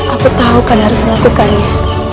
aku tahu kalian harus melakukannya